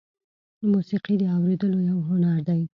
موسیقي د اورېدلو یو هنر دی.